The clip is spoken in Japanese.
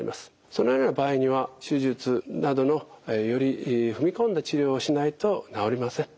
そのような場合には手術などのより踏み込んだ治療をしないと治りません。